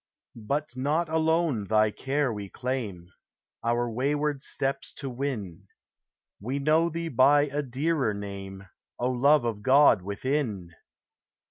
But not alone thy care we claim, Our wayward steps to win; We know thee by a dearer name, O Love of God within!